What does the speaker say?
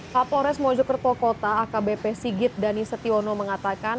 kapolres mojokerto kota akbp sigit dhani setiono mengatakan